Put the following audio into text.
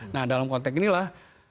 nah dalam konteks inilah